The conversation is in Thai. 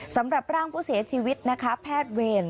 สำหรับร่างผู้เสียชีวิตนะคะแพทย์เวร